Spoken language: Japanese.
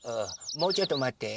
もうちょっとまって。